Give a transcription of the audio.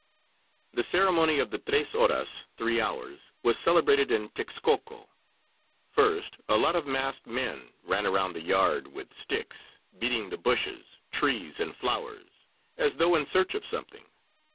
The ceremony of the Tres Horas (three hours) was celebrated in Texcoco. First a lot of masked men ran around the yard with sticks, beating the bushes, trees and flowers as though in search of something.